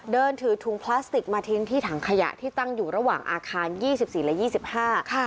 เดินถือถุงพลาสติกมาทิ้งที่ถังขยะที่ตั้งอยู่ระหว่างอาคาร๒๔และ๒๕